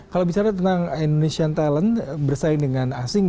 kalau bicara tentang indonesian talent bersaing dengan asing